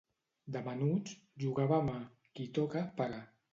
De menuts, jugavem a "qui toca, paga"